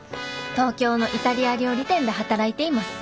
東京のイタリア料理店で働いています